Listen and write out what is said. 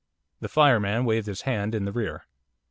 The fireman waved his hand in the rear.